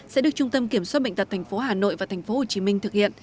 sẽ được trung tâm kiểm soát bệnh tật tp hà nội và tp hồ chí minh thực hiện